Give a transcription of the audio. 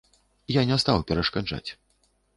Я не стаў перашкаджаць.